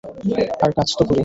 আর, কাজ তো করি।